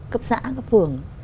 cấp xã cấp phường